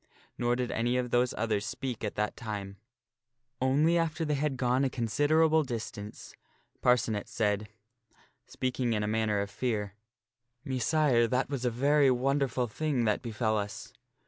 Nor did any of those others speak at that time ; only after they had gone a considerable distance Parcenet said, speaking in a manner of fear, " Messire, that was a very wonderful thing that befell us."